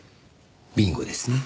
ビンゴですね。